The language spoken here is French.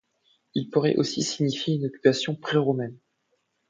Il pourrait aussi signifier une occupation pré-romaine.